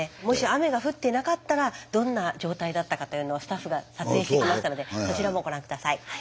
もし雨が降ってなかったらどんな状態だったかというのをスタッフが撮影してきましたのでそちらもご覧下さい。